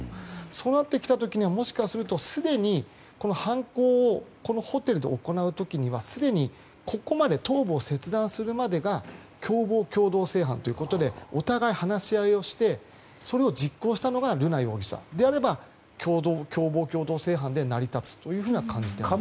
そうなってきた時にはもしかすると、犯行をホテルで行う時にはすでにここまで頭部を切断するまでが共謀共同正犯ということでお互い、話し合いをしてそれを実行したのが瑠奈容疑者であれば共謀共同正犯が成り立つということですね。